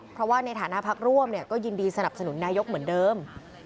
เพราะว่าในฐานะพักร่วมก็ยินดีสนับสนุนนายกเหมือนเดิม